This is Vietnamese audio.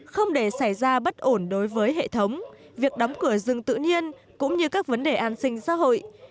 không để xảy ra bất ổn đối với hệ thống việc đóng cửa rừng tự nhiên cũng như các vấn đề an sinh xã hội